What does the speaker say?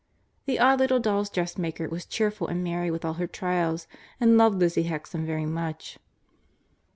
The odd little dolls' dressmaker was cheerful and merry with all her trials and loved Lizzie Hexam very much.